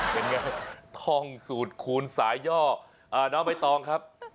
เป็นไงท่องสูตรคูณสายย่อน้องใบตองครับ